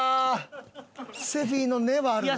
セフィの根はあるな。